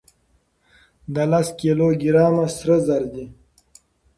دا لس کيلو ګرامه سره زر دي.